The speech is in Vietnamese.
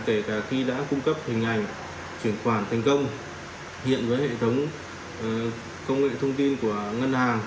kể cả khi đã cung cấp hình ảnh chuyển khoản thành công hiện với hệ thống công nghệ thông tin của ngân hàng